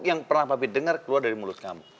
yang pernah pabi dengar keluar dari mulut kamu